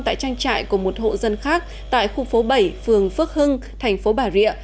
tại tranh trại của một hộ dân khác tại khu phố bảy phường phước hưng thành phố bà rịa